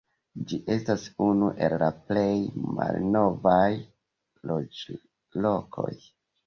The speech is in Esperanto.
Ĝi estas unu el la plej malnovaj loĝlokoj.